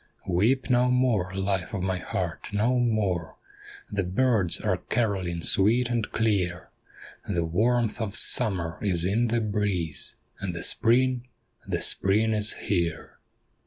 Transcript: Weep no more, life of my heart, no more ! The birds are carolling sweet and clear ; The warmth of Summer is in the breeze, And the Spring — the Spring is here.